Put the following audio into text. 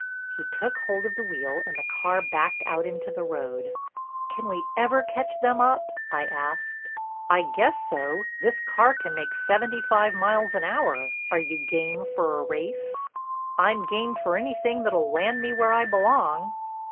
He took hold of the wheel and the car backed out into the road. "Can we ever catch them up?" I asked. "I guess so—this car can make seventy five miles an hour. Are you game for a race?" "I'm game for anything that'll land me where I belong."